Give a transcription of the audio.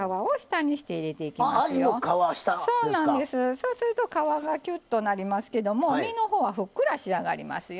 そうすると皮がきゅっとなりますけども身の方はふっくら仕上がりますよ。